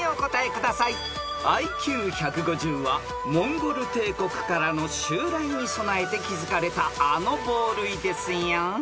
［ＩＱ１５０はモンゴル帝国からの襲来に備えて築かれたあの防塁ですよ］